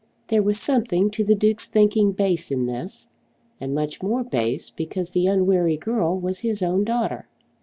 There was something to the Duke's thinking base in this, and much more base because the unwary girl was his own daughter.